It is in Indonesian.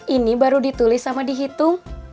ini baru ditulis sama dihitung